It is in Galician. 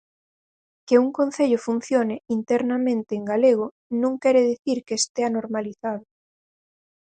Que un concello funcione internamente en galego non quere dicir que estea normalizado.